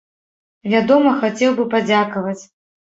Вядома, хацеў бы падзякаваць.